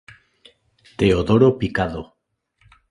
Teodoro Picado.